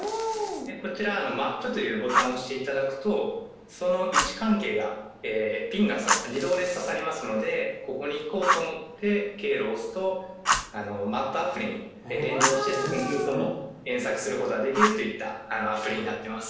こちらマップというボタンを押していただくとその位置関係がピンが自動でささりますのでここに行こうと思って経路を押すとマップアプリに連動してルートも検索することができるといったアプリになってます。